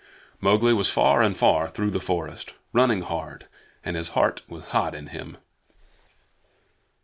Mowgli was far and far through the forest, running hard, and his heart was hot in him.